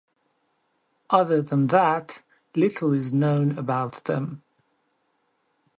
Other than that, little is known about them.